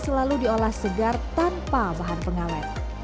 selalu diolah segar tanpa bahan pengawet